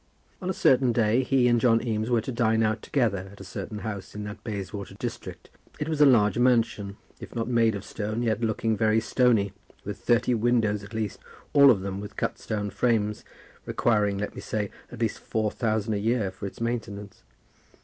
On a certain day he and John Eames were to dine out together at a certain house in that Bayswater district. It was a large mansion, if not made of stone yet looking very stony, with thirty windows at least, all of them with cut stone frames, requiring, let me say, at least four thousand a year for its maintenance.